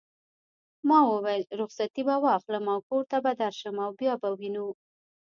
ما وویل: رخصتې به واخلم او کور ته به درشم او بیا به وینو.